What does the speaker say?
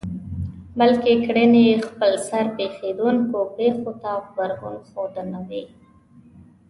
بلکې کړنې يې خپلسر پېښېدونکو پېښو ته غبرګون ښودنه وي.